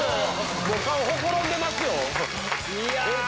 顔ほころんでますよ。